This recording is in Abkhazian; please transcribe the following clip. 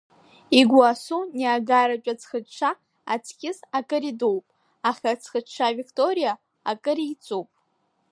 Игуасу Ниагаратә аӡхыҽҽа аҵкьыс акыр идууп, аха аӡхыҽҽа Викториа акыр еиҵуп.